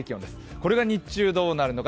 これが日中どうなるのか。